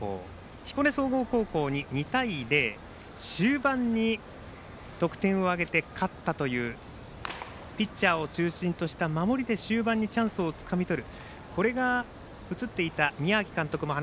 彦根総合高校に２対０、終盤に得点を挙げて勝ったというピッチャーを中心とした守りで終盤にチャンスをつかみとる。